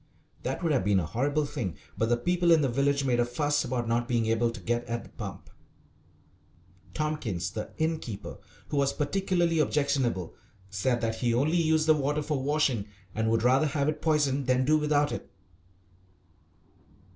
That would have been a horrible thing: but the people in the village made a fuss about not being able to get at the pump. Tompkins, the innkeeper, who was particularly objectionable, said that he only used the water for washing and would rather have it poisoned than do without it.